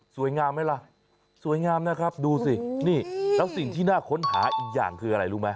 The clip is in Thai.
ไหมล่ะสวยงามนะครับดูสินี่แล้วสิ่งที่น่าค้นหาอีกอย่างคืออะไรรู้ไหม